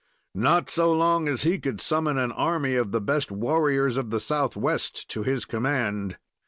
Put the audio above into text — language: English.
Not so long as he could summon an army of the best warriors of the Southwest to his command.